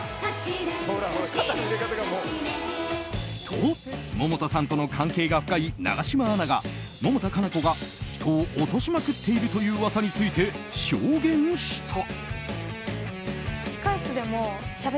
と、百田さんとの関係が深い永島アナが百田夏菜子が人を落としまくっているという噂について証言した。